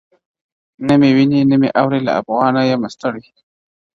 نه مي ویني نه مي اوري له افغانه یمه ستړی--!